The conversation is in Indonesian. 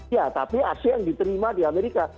ya tapi ac yang diterima di amerika